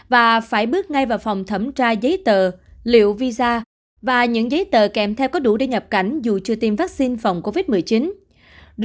và phải bước ngay vào phòng thẩm tra giấy tờ liệu visa và những giấy tờ kèm theo có đủ để nhập cảnh dù chưa tiêm vaccine phòng covid một mươi chín